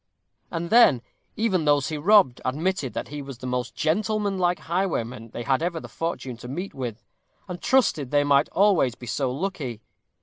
And then, even those he robbed, admitted that he was the most gentlemanlike highwayman they had ever the fortune to meet with, and trusted they might always be so lucky.